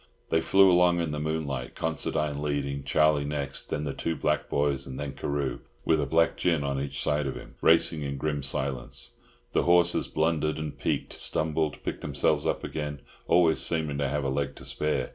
They flew along in the moonlight, Considine leading, Charlie next, then the two black boys, and then Carew, with a black gin on each side of him, racing in grim silence. The horses blundered and "peeked," stumbled, picked themselves up again, always seeming to have a leg to spare.